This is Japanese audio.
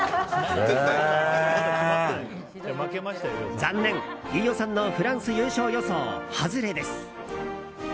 残念、飯尾さんのフランス優勝予想、外れです。